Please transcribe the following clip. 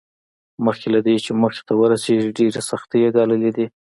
مخکې له دې چې موخې ته ورسېږي ډېرې سختۍ یې ګاللې دي